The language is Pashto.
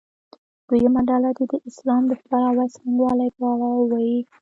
دویمه ډله دې د اسلام د خپراوي څرنګوالي په اړه ووایي.